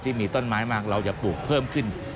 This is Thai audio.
ที่มีต้นไม้มากเราจะปลูกเพิ่มขึ้น